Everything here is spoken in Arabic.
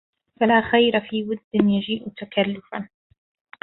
فَلا خَيرَ في وِدٍّ يَجيءُ تَكَلُّفا